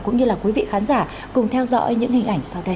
cũng như là quý vị khán giả cùng theo dõi những hình ảnh sau đây